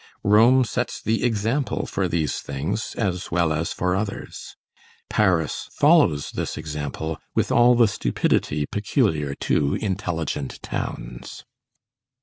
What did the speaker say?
Rome sets the example for these things as well as for others. Paris follows this example with all the stupidity peculiar to intelligent towns.